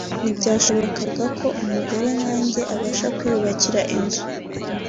ntibyashobokaga ko umugore nkanjye abasha kwiyubakira inzu